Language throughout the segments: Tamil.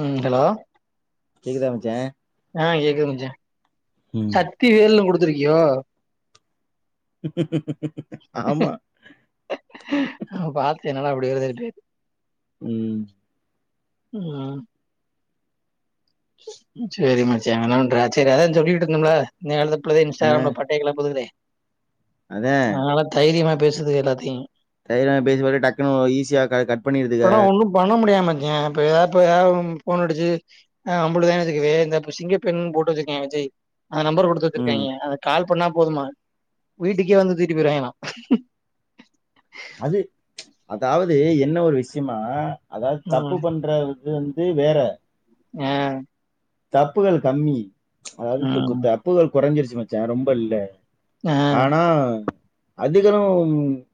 ம் ஹலோ கேக்குதா மச்சா ஆ கேக்குது மச்சான் சக்தி வேல்னு குடுத்துருக்கியோ ஆமா நா பாத்தே என்னடா இப்டி வருதேனு உம் ஆ சேரி மச்சி என்ன பண்ற சரி அதா சொல்லிட்டு இருந்தோம்ல அந்த புள்ள தா ஆ இன்ஸ்டாகிராம்ல பட்டைய கேளபுதுனு அதா அதனால தைரியமா பேசுது எல்லாத்தையு தைரியமா பேசும்போதே டக்குன்னனு ஈஸியா கட் பண்ணிருதுக இப்பல்லா ஒன்னு பண்ண முடியாது மச்சா இப்பப்ப போன் அடிச்சு அம்புட்டு தா வச்சக்கு வே இப்ப இந்த சிங்க பென்னு போட்டு வச்சிருக்க விஜய் அந்த நம்பர் கொடுத்து ம் வச்சிருக்காங்க அத கால் பண்ணா போதுமா வீட்டுக்கே வந்து தூக்கிட்டு போய்ருவாங்கலா அது அதாவது என்ன ஒரு விஷயமா அதாவது தப்பு ம் பண்ற இது வந்து வேற அ தப்புகள் கம்மி அதாவது ம் தப்புகள் குறைஞ்சிருச்சு மச்சா ரொம்ப இல்ல ஆ ஆனா அதுகளும்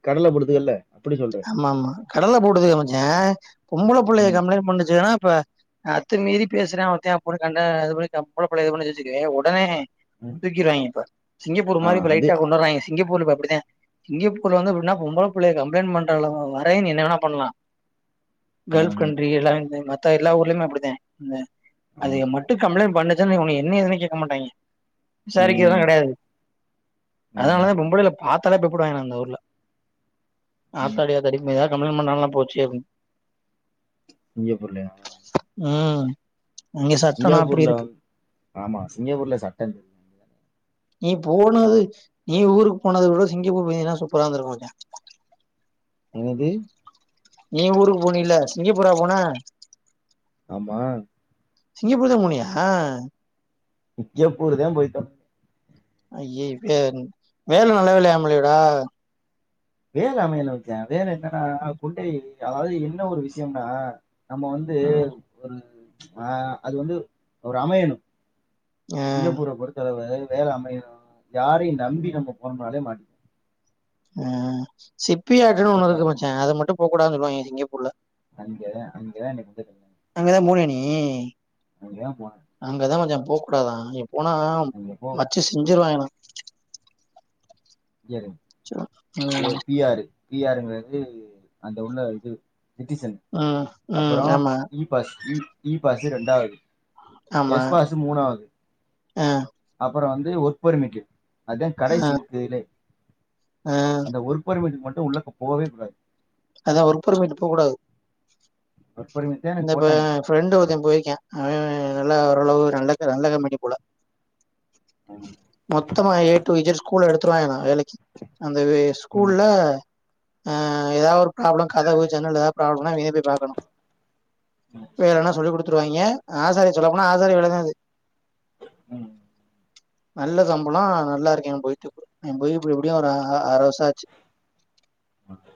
கடல போடுதுகல்ல ஆமா ஆமா கடல போடுது மச்சா பொம்பள பிள்ளைய ம் கம்ப்ளைண்ட் பண்ணுச்சுன்னா இப்ப அத்து மீறி பேசுறா ஒருத்தன் அப்டினு கண்டது போய் பொம்பள பிள்ளளைய பண்ணது வச்சுக்கயே உடனே ம் தூக்கிடுவாங்க இப்ப சிங்கப்பூர் ஆ மாதிரி இப்ப அது லைட்டா அ கொண்டு வறாங்க சிங்கப்பூர்ல இப்ப அப்படித்தா சிங்கப்பூர் ல வந்து எப்படின்னா பொம்பள பிள்ளைய கம்ப்ளைண்ட் பண்ற வரையு நீ என்ன வேனா பண்ணலாம் ஆ கல்ஃப் கண்ட்ரி எல்லாம் மத்த எல்லா ஊர்லயுமே அப்படித ஆ அது மட்டும் கம்ப்ளைண்டட் பண்ணுச்சன்ன என்ன எதுன்னு கேட்க மாட்டாங்க விசாரிக்கிறதுலா ம் கிடையாது ம் அதனாலதா பொம்பளைல பார்த்தாலே பயப்படுவாங்கன்னா அந்த ஊர்ல ம் ஆத்தாடி ஆத்தாடி இனிமே ஏதாவது கம்ப்ளைண்ட் பண்ணாலல்லா போச்சே அப்டினு சிங்கப்பூர் ல யா உம் சிங்காப்பூர்ல வந்து ஆமா சிங்கப்பூர்ல சட்டம் நீ போனது நீ ஊருக்கு போனத விட சிங்கப்பூர் போனாதா சூப்பரா இருந்த இருக்கும் மச்சா என்னது நீ ஊருக்கு போனல சிங்கப்பூரா போன ஆமா சிங்கப்பூர் தா போனியா சிங்கப்பூர் தா போயிட்டு வந்தே அயவே வேல நல்ல வேலையம்லா டா வேல அமையல மச்சா வேல என்னன்னா குண்டை அதாவது என்ன ஒரு விஷயம்னா நம்ம வந்து ம் ஒரு அ அது வந்து ஒரு அமையணு ஆ சிங்கப்பூர பொறுத்து அளவுல வேல அமையணும் யாரையும் நம்பி நம்ம போனோம்னாலே மாட்டி உம் சிப்பி ஆர்ட்ன்னு ஒண்ணு இருக்கு சொந்தக்காரர் மச்சா அத மட்டும் போ கூடாது னு சொல்லுவாங்க சிங்கப்பூர்ல அங்க அங்க இன்னிக்கி அங்கதா போனியா நீ அங்க தா போனே அங்கதா மச்சா போ கூடாதா அங்க போனா அங்க போ வச்சு செஞ்சிருவாங்களா பி ஆர் ஏ ம் பி அரு பி ஆருங்கிறது அந்த உள்ள இது சிட்டிசன் ம் ம் அப்புறம் ஆமா இப் பஸ் இ பாஸ் ரெண்டாவது ஆமா எஸ் பாஸ் மூணாவது ஆ அப்புறம் வந்து ஒர்க் பெர்மிட்டு அத ஆ கடைசி இருக்குதுல்லே ஆ ஒருப்பர் மன்டுக் மட்டு உள்ளக்கு போவே கூடாது அதா ஒர்பொர்மீட்டு போ கூடாது ஒர்க் பர்மிட் தான் எனக்கு இந்தப்ப போட்டாங்க ஃப்ரெண்டு ஒருத்த போயிருக்கா அவ நல்லா ஓரளவு ரெண்டக்க ரெண்டக்கம்பட்டி போல ம் மொத்தமா ஏ டூ இஜட் ஸ்கூல்ல எடுத்துருவாங்களா வேலக்கி அந்த ம் ஸ்கூல்ல ஆ ஏதாவது ஒரு ப்ராப்ளம் கதவு ஜன்னல் ஏதாவது பிராப்ளம்னா நீ தா போய் பாக்கணு வேலன சொல்லி கொடுத்துருவாங்க ஆசாரி சொல்ல போனா ஆசாரி வேல தா அது ம் நல்ல சம்பளொ நல்லா ருக்கு அங் போயிட்டு அங் போய் இப்படி எப்படியு ஒரு ஆறு வருசாச்சு ஒகே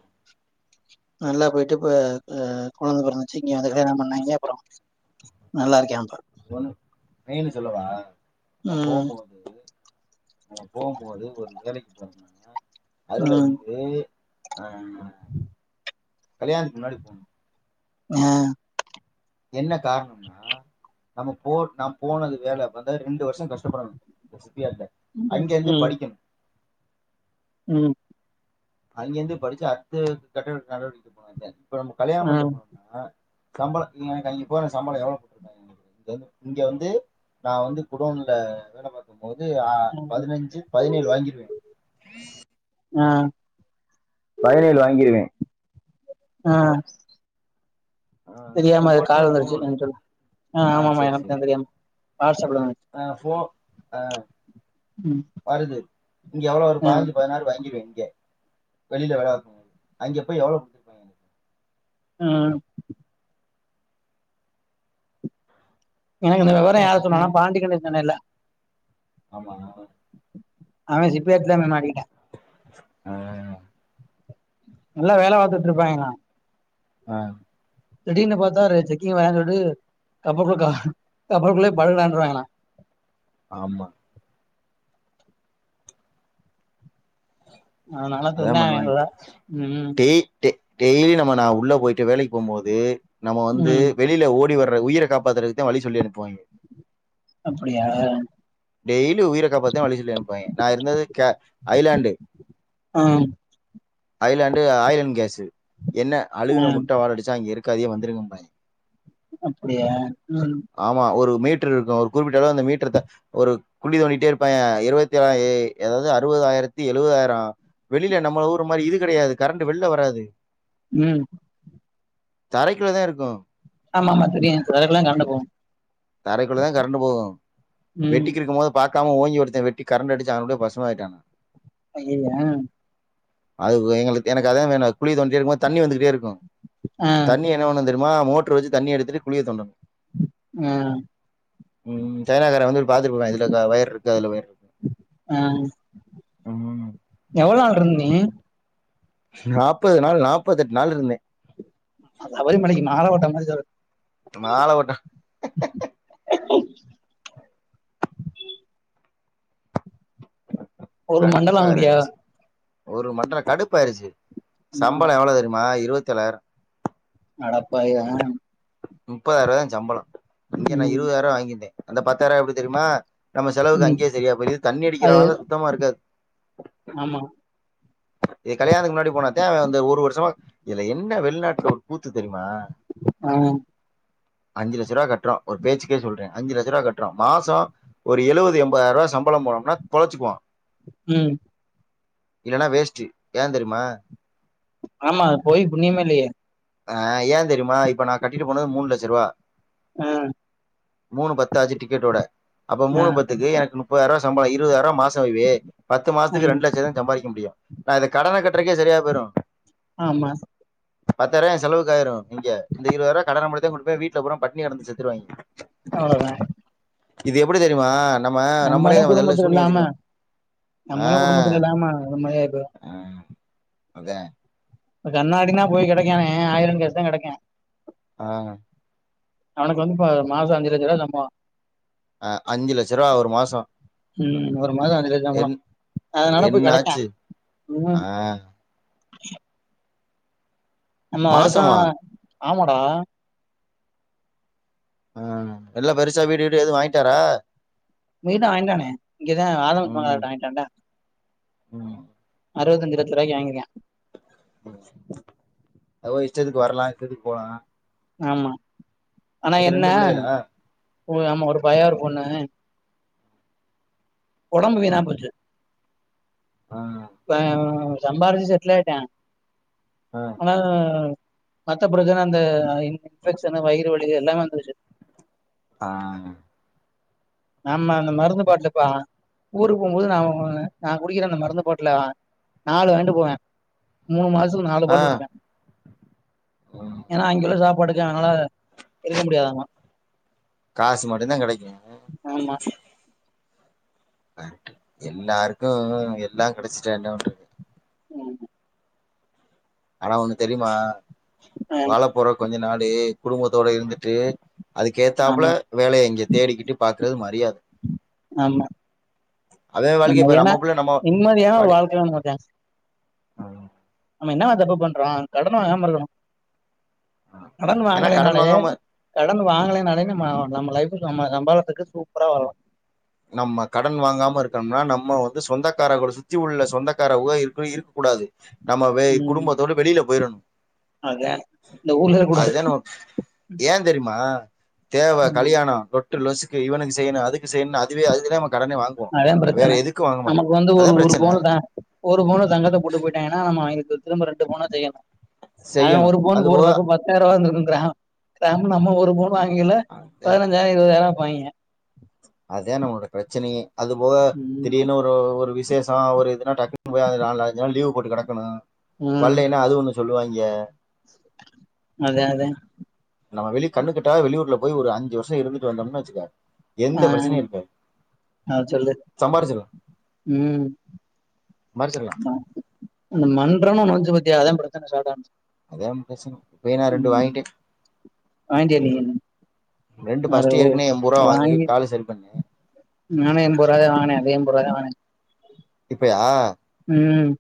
நல்லா போயிட்டு இப்ப ப கொழந்த பொறந்துச்சு இங்க வந்து கல்யாணம் பண்ணாங்க அப்றோ நல்லா இருக்யா ம்ப ஒண்ணு மெயின் சொல்லவா ஒ போம் ம். போது போம்போது ஒரு வேலக்கி போய்ர்ந்தனா அதுல ம். வந்து ஆ கல்யணத்க்கு முன்னாடி போனொ ம் என்ன காரணம்னா நம்ம போ நம் போனது வேல வந்த ரெண்டு வர்ஷொ கஷ்டப்படணு வொசித்தியால்ல ம். அங்க ருந்து ம். படிக்கணு ம் அங்கிருந்து படிச்சு அட்த்து கட்ட நடவடிக் போ இப்ப நம்ம கல்யணம் ஆ. பண்ட்டு போன ஆ சம்பள நி எனக் அங்க போனா சம்பள எவ்ளவ் போட்டுருப்பாங்க இங்க வந்து நா வந்து குடோன்ல வெல பாக் கும்போது ம். பதினஞ்சு பதினேழு வாங்கிருவெ ஆ பதினேழு வாங்கிருவே ஆ ஆ தெரியாம உ அது போன்ல கால் இருந்து போன் வந்துருச்சு வருது நெனச்ச ஆ ஆமாமா சேரி சேரி எனக்கு தெரியாம வாட்ஸ்அப்ல ஆ ஃபோ ஆ ம் வருது இங்க எவ்ளோ ஒரு ஆ பாதிஞ்சு பதினாறு வாங்கி வெக்க வெளில வேல பாத்து அங்க போய் எவ்ளொ ம் எனக்கு இந்த விவரொ யார் சொன்னானா எனக்கு பாண்டிக்கண்டென் சொன்னேல்ல ஆமாங் ஆமா அவ சிப்பி எக்ஸ்ஸாம்ல மாட்டிடா ஆ நல்லா வேல பாத்துட் ருப்பாய்ங்ளா அ திடீர்னு பாத்தா செக்கிங் வாறே சொல்ட்டு கப்பல்குள்ள கா கப்பல்குள்ளே பழகுடான்றாகண்ணா ஆமா அதனால அதா சொன்னே அவே பண்ணுவாய்ங் கூட ம் டெ டெய்லி நம்ம நா உள்ள போயிட்டு வேலக்கி போம் போது நம்ம வந்து ம் வெ டில் ஓடி வர உயிர காப்பத்துறதுக்தா வழி சொல்லி அனுப்புவாய்ங்க அப்படியா டெய்லி உயிரக்காப்பத்த வழிச்சொல்லி அனுப்புவாய்ங்க நா இருந்தது கெ ஐலாண்டு ஆம் ஐலாண்டு ஆயிரங் கேசு என்ன அழுகுன ம் முட்ட வாட அடிச்சா அங்க இருக்காதீக வந்திருங்கபாய்க அப்புடியா ம் ஆமா ஒரு மீட்டர் இருக்கு ஒரு குறிப்பிட்ட அளவு அந்த மீட்டர் த ஒரு குழி தோண்டிட்டே இருப்பாய்க இருவத்தி ஏழாயி ஏ அதாவது அறுவதாயிரத்தி எழுவதாயிரோ வெளில நம்ம ஊ ருமாரி இது கெடயாது கரண்ட் வெள்ல வராது ம் தரைக்குள்ள தா இருக்கு ஆமா ஆமா தெரியு சில நேரத்துல கரண்ட்டு போகு தரைக்குள்ள தா கரண்ட்டு போகு ம் வெட்டிக்கு இருக்கு போது பாக்காம ஓங்கி ஒருத்தன் வெட்டி கரண்ட் அடிச்சு அப்டியே பஸ்பம் ஆய்ட்டா அய்யய்ய அது எங்களுக்கு எனக்கு அதா வேணு குழி தோண்டீட்டே இருக்கும்போது தண்ணி வந்துட்டே இருக்கு ஆ தண்ணி என்ன பண்ணு தெரியுமா மோட்டரு வெச்சு தண்ணி எடுத்துட்டு குழிய தோண்டனு அ ம் சைனாகாரன் வந்து பாத்துருப்பாய் இதுல க வயர் இருக்கா இல்ல வயர் இருக்கு ஆ ஆமா ஆமா எவ்ளோ நாள் இருந்தீக நாப்பது நாள் நாப்பத்தெட்டு நாள் இருந்தே அது சபரி மலைக்கு மால போட்ட மாரி சொ மால போட்ட ஒரு மண்டலொ கடுப்பா வேற அப்பிடியா ஆயிடுச்சு ஒரு மண்டல கடுப்பு ஆய்டுச்சு ம் சம்பளொ எவ்ளோ தெரியுமா இருவத்தி ஏழாயிரோ அடப்பாவிகளா நுப்பதாயிர்வா தா ஏ சம்பளோ இங்க நா ம் இருவதார்வா வாங்கிட்டே அந்த பத்தாயிர்வா எப்டி தெரியுமா நம்ம செலவுக்கு ம் அங்க்யே செரியா போய்ரு இது தண்ணி அது அடிக்கிறனால சுத்தமா இருக்காது ஆமா ஏ கல்யாணுக் முன்னாடி போனாதா அவ வந்து ஒரு வருஷமா இதுல என்ன வெள்நாட்டுல ஒரு கூத்து தெரியுமா ஆ அஞ்சு லச்சர்வா கட்றோ ஒரு பேச்சுக்கே சொல்றே அஞ்சு லச்சர்வா கட்றோ மாசோ ஒரு எழுவது எம்பதாயிர்வா சம்பளம் போனம்னா பொழச்சிக்குவா ம் இல்லன்னா வேஸ்ட்டு ஏ தெரிய்மா ஆமா அது போய் புண்ணியமே இல்லெயே ஆ ஏ தெரிய்மா இப்ப நா கட்டிட்டு போனது மூனு லச்சர்வா ஆ மூனு பத்து ஆச்சு டிக்கெடோட அப்ப ஆ மூனு பத்துக்கு எனக்கு நுப் பதாயிர்வா சம்பள இருவதாயிரோ மாச வெயி பத்து மாசத்துக்கு ம் ரெண்டு லச்சந்தா சம்பாதிக்க முடியும் நா இத கடன கட்றக்கே செரியா போய்ரு ஆமா பத்தாயிரோ ஏ செலவுக்கு ஆயுரு இங்க இந்த இருவதாயிரோ கடனமட்டூதா குடுப்ப வீட்ல பூரா பட் ட்னி கெடந்து செத்துருவாய்ங்க அவ்ளோதா இது எப்டி தெரியுமா நம்ம நம்மளே நம்ம தலைல குடும்பத்துல சூன்ய இல்லாம வெச்சுக்குறோ ஆ நம்மளே குடும்பத்துல இல்லாம அது மாரி ஆயி போயிரு ஆ அதே இப்ப கண்ணாடின்னா போய் கடைக்கான ஆயிரம் கச தா கெடக்கு ஆ அவனுக்கு வந்து இப்ப மாச அஞ்சு லெச்சரூபா சம்பளம் அ அஞ்சு லட்ச ரூபா ஒரு மாச ம் ஒரு மாத அஞ்சு லட்ச வாங்கலா அதனால போய் என்ன கெடக்கா ஆச்சு ஆ நம்ம வருச மாசமா ஆமடா ம் எல்லா பெருசா வீடு கீடு எதுவு வாங்கிட்டாரா வீடுதா வாங்கிட்டானே இங்கேதா ஆதவ் ம் பங்லாட்ட வாங்கிட்டான்டா ம் அறுவத்து ஐந்சு லட்ச ரூவாக்கி வாங்கி இருக்கா அவ இஷ்டதுக்கு வரலா இஷ்டதுக்கு போலா ஆமா ஆனா இது என்ன ரெண்டு புள்ளைகளா ஆமா ஒரு பய ஒரு பொண்ணு உடம்பு வீணா போச்சு ஆமா இப்ப சம்பார்சி செட்லாயிட்டான் ஆ ஆனா மத்த பிரச்சன அந்த இன்ஃபெக்ஷனு வயிறு வலி எல்லாமே வந்துருச்சி ஆ ஆமா அந்த மருந்து பாட்டுல காணோம் ஊருக்கு போம்போது நா நா குடிக்கிற அந்த மருந்து பாட்டுல நாலு வாங்கிட்டு போவே மூணு மாசத்து நாலு ஆ பாட்டுலு குடிப்பே ம் ஏன்னா அங்க உள்ள சாப்பாடுக்கு அதனால இருக்க முடியாதாம காசி மட்டுதா கெடைக்கு ஆமா கரெக்டு எல்லாருக்கு எல்லா கடச்சிட்டா என்ன பண்றது உம் ஹூ ஆனா ஒண்ணு தெரியுமா வாழ போற கொஞ்ச நாளு குடும்பத்தோட இருந்துட்டு அதுக்கு ஏத்தாப்புல ஆமா, வேலைய இங்க தேடிக்கிட்டு பாக்குறது மரியாத ஆமா அதே வாழ்க்கைய இப்ப நிம்மதியானா நம்ம புள்ள நம்ம நிம்மதியான ஒரு படி வாழ்க்கை [unintelligible] ஆ அவ என்னங்க தப்பு பண்றா கடன வாங்கருக்கறா ஆ கடன் ஏன்னா கடன் வாங்களனாலே வாங்காம கடன் வாங்கலேனாலே நம்ம நம்ம லைஃபுக்கு நம்ம சம்பளத்துக்கு சூப்பரா வரலா நம்ம கடன் வாங்காம இருக்குணும்னா நம்ம வந்து சொந்தக்கார கூட சுத்தி உள்ள சொந்தக்கார உக இருக்கு இருக்க கூடாது நம்மவே ம். குடும்பத்தோட வெளில போயிறணு அதான் இந்த ஊர்ல இருக்கக்கூடாது. அதுதா நம்ம ஏ தெரியுமா தேவ ம். கல்யாண லொ ட்டு லொசுக்கு இவனுக்கு செய்யுனு அதுக்கு செய்யுனு அதுவே அது க்கு தான் நமக் கடனே வாங்குவோ அதா வேற பிரச்சன எதுக்கு வாங்க மாட்டோ நமக்கு வந்து ஒரு அதா ஒரு பிரச்சன பவுனு தா ஒரு பவுன தங்கத்த போட்டு போயிட்டாய்கனா நம்ம அவிங்களுக்கு திரும்ப ரெண்டு பவுனு செய்யனு அவ செய்யணு ஒரு பவுன் அது போக போடுறப்ப பத்தாயிர ரூபா வந்திருக்குங்குறா கிராம் நம்ம ஒரு பவுன் வாங்கயில அவ்ளதா இத இருபதாயிர விப்பாயங்க அதா நம்மளோட பிரச்சனையே அது போக ம் திடீர்னு ஒரு ஒரு விசேஷ ஒரு இதுனா போய் நாலஞ்சிநாள் லீ போட்டு கிடக்கணு ம் வள்லைன்னா அது ஒ சொல்லுவாய்ங்க அதே அதே நம்ம வெளி கண்ணுக்கிட்ட வெளியூர்ல போய் ஒரு அஞ்சு வருஷ இருந்துட்டு வந்தோமுணு வச்சுக்க ஆ எந்த பிரச்சனையு இருக்காது அத சொல்லு சம்பார்ச்சிலா ம் மார்ச்சிர்லா அந்த மண்ட்றோனு ஒன்னு வந்துச்சு பாத்தியா அதா பிரச்சன ஸாட்டானுச்சி அதா பிரச்சன இப்பபு நா ரெண்டு வாங்கிட்டே வாங்கிட்டியா நீ ரெண்டு அட ஃபர்ஸ்ட்டு ஓ ஏர்க்குனே என்பதுருவா வாங்கி காலு சரி பண்ணே நானு என்பதுருவா தா வாங்னே அது எம்பருவா தா வாங்னே இப்பயா ம்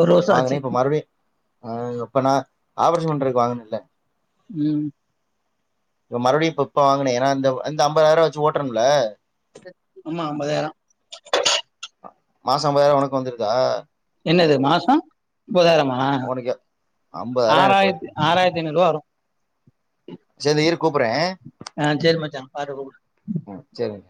ஒரு வருஷோ வாங்குன ஆச்சு இப்ப மறுவ்டி இப்போ நா ஆப்ரேஷ பண்றக்கு வாங்குனல்ல ம் இப்ப மறுவ்டிப்ப இப்ப இப்ப வாங்குன ஏன்னா இந்த அந்த ஐம்பதாயர்வா வச்சி ஓட்டணும்ல ஆமா ஐம்பதாயரோ மாச அம்பதாயர ஒனக்கு வந்துருதா என்னது மாசோ அம்பாதயரமா உனக்கு ஐம்பதாயிரோ எனக்கு வருது ஆறாயிரத்தி ஆறாயிரத்தி ஐநூறுவா வரு சேதி இரு கூப்புற்றே ஆ சேரி மச்சா பாரு கூப்புடு ம் சேரி